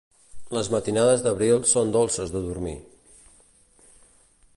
Les matinades d'abril són dolces de dormir.